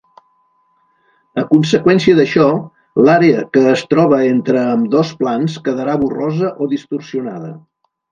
A conseqüència d'això, l'àrea que es troba entre ambdós plans quedarà borrosa o distorsionada.